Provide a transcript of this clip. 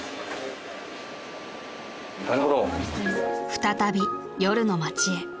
［再び夜の街へ］